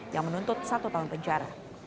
yang menuntut satu tahun penjara